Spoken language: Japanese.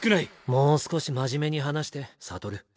もう少し真面目に話して悟。